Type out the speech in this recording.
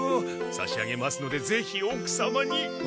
さし上げますのでぜひおくさまに。